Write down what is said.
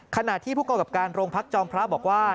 ขณะที่ผู้กำกับการโรงพักจอมพระบอกว่า